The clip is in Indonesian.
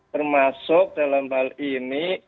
termasuk dalam hal ini